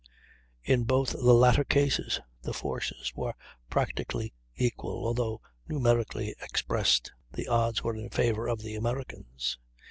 In both the latter cases, the forces were practically equal, although, numerically expressed, the odds were in favor of the Americans.